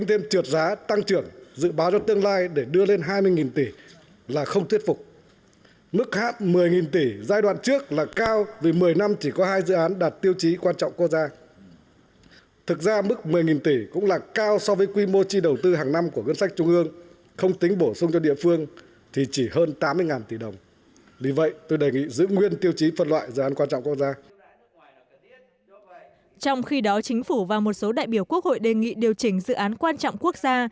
trong khi đó chính phủ và một số đại biểu quốc hội đề nghị điều chỉnh dự án quan trọng quốc gia